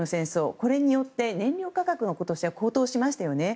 これによって燃料価格が今年、高騰しましたよね。